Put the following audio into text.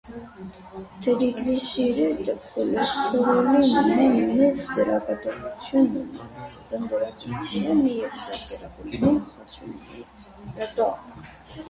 Թրիկլիսերիտը քոլեսթերոլի նման մեծ դերակատարութիւն ունի պնդերակութեան եւ զարկերակներու խցումին հետ։